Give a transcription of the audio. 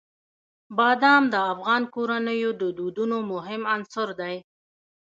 بادام د افغان کورنیو د دودونو مهم عنصر دی.